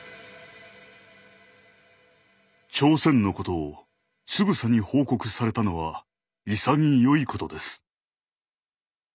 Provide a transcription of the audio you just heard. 「朝鮮のことをつぶさに報告されたのはいさぎよいことです」。